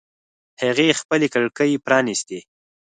هغې خپلې کړکۍ پرانیستې